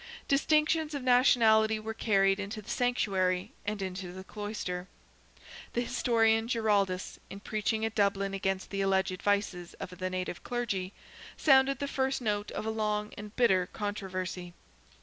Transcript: Distinctions of nationality were carried into the Sanctuary and into the Cloister. The historian Giraldus, in preaching at Dublin against the alleged vices of the native Clergy, sounded the first note of a long and bitter controversy.